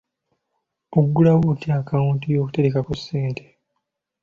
Oggulawo otya akaawunti y'okuterekako ssente?